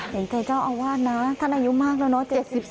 เห็นใจเจ้าอาวาสนะท่านอายุมากแล้วเนอะ